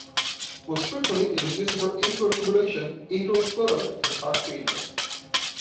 Most frequently it is used for atrial fibrillation, atrial flutter, and heart failure.